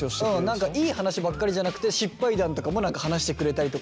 何かいい話ばっかりじゃなくて失敗談とかも話してくれたりとかすると。